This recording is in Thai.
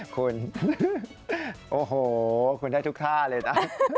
คุณโอ้โหคุณได้ทุกท่าเลยนะ